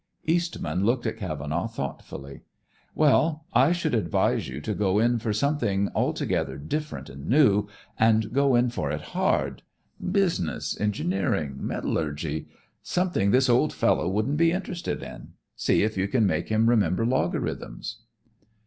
Eastman looked at Cavenaugh thoughtfully. "Well, I should advise you to go in for something altogether different and new, and go in for it hard; business, engineering, metallurgy, something this old fellow wouldn't be interested in. See if you can make him remember logarithms."